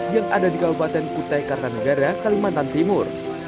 yang ada di kabupaten kutai kartanegara kalimantan timur